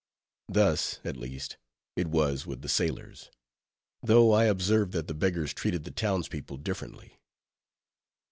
Thus, at least, it was with the sailors; though I observed that the beggars treated the town's people differently.